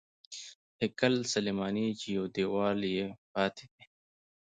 هیکل سلیماني چې یو دیوال یې پاتې دی.